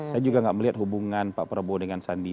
saya juga gak melihat hubungan pak prabowo dengan sandi